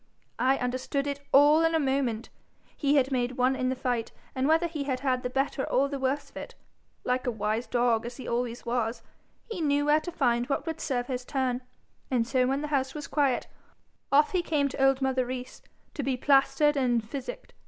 I understood it all in a moment. He had made one in the fight, and whether he had had the better or the worse of it, like a wise dog as he always was, he knew where to find what would serve his turn, and so when the house was quiet, off he came to old mother Rees to be plaistered and physicked.